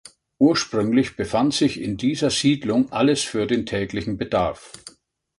Ursprünglich befand sich in dieser Siedlung alles für den täglichen Bedarf.